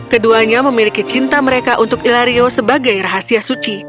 keduanya memiliki cinta mereka untuk ilario sebagai rahasia suci